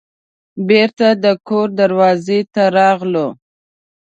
بیرته د کور دروازې ته راغلو.